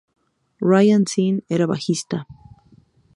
Ryan Sinn era bajista.